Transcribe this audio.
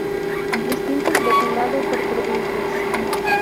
Distritos de condado por provincias.